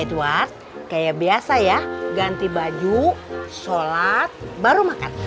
idward kayak biasa ya ganti baju sholat baru makan